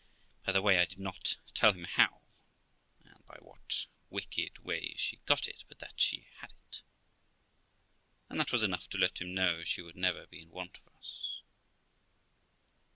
By the way, I did not tell him how, and by what wicked ways she got it, but that she had it; and that was enough to let him know she would never be in want of us.